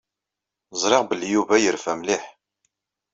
Ẓriɣ belli Yuba yerfa mliḥ.